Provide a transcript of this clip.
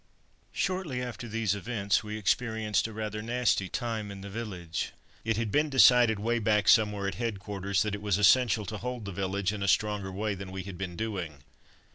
Shortly after these events we experienced rather a nasty time in the village. It had been decided, way back somewhere at headquarters, that it was essential to hold the village in a stronger way than we had been doing.